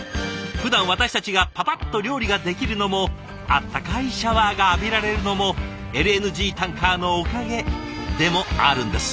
ふだん私たちがパパッと料理ができるのも温かいシャワーが浴びられるのもＬＮＧタンカーのおかげでもあるんです。